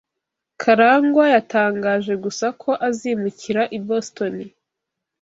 Karangwa yatangaje gusa ko azimukira i Boston.